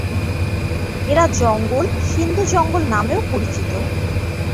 এরা জঙ্গল, সিন্ধু জঙ্গল নামেও পরিচিত।